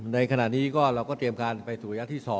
ในขณะนี้เราก็เตรียมการไปสู่ระยะที่๒